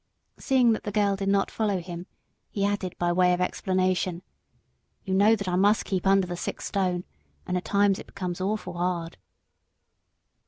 Seeing that the girl did not understand, he added, by way of explanation, "You know that I must keep under the six stone, and at times it becomes awful 'ard."